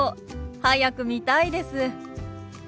早く見たいです。